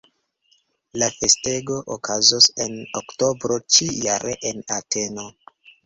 La festego okazos en oktobro ĉi-jare en Ateno.